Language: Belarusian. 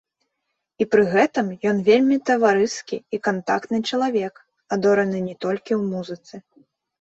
І пры гэтым ён вельмі таварыскі і кантактны чалавек, адораны не толькі ў музыцы.